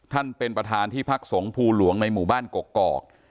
ท่านประธานเป็นประธานที่พักสงภูหลวงในหมู่บ้านกกอก